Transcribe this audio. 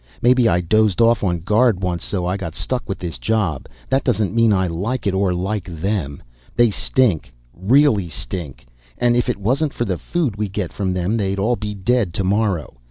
Maybe I dozed off on guard once so I got stuck with this job. That doesn't mean I like it or like them. They stink, really stink, and if it wasn't for the food we get from them they'd all be dead tomorrow.